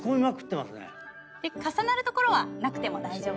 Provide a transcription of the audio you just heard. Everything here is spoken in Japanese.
重なる所はなくても大丈夫です。